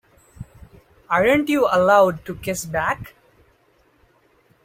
Aren't you allowed to kiss back?